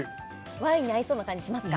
ワインに合いそうな感じしますか？